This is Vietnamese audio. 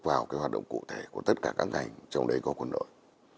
vào cái hoạt động cụ thể của tất cả các ngành trong đấy có quân đội